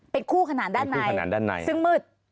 เป็นคู่ขนาดด้านในซึ่งมืด